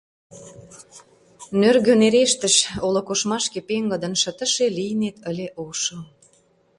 Нӧргӧ нерештыш, Олык ошмашке пеҥгыдын шытыше, лийнет ыле ошо.